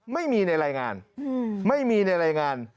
ไม่มีในรายงาน